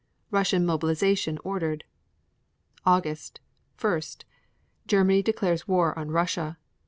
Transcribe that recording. Russian mobilization ordered. August 1. Germany declares war on Russia.